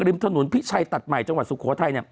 ริมถนนพิชัยตัดใหม่จังหวัดสุโขทัย